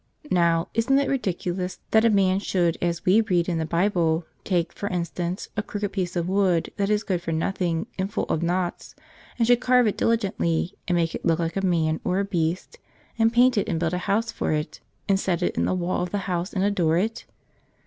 Now, isn't it ridiculous that a man should, as we read in the Bible, take, for instance, a crooked piece of wood that is good for nothing and full of knots and should carve it diligently and make it look like a man or a beast and paint it and build a house for it and set it in the wall of the house and adore it?